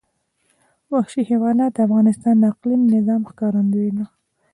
وحشي حیوانات د افغانستان د اقلیمي نظام ښکارندوی ده.